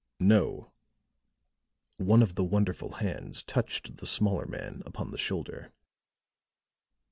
"No." One of the wonderful hands touched the smaller man upon the shoulder.